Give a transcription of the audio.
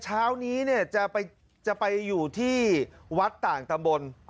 เช้านี้เนี่ยจะไปจะไปอยู่ที่วัดต่างตำบล